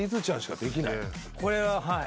これははい。